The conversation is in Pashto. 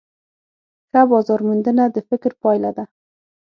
ښه بازارموندنه د فکر پایله ده.